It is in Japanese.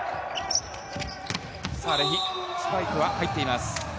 サーレヒ、スパイクは入っています。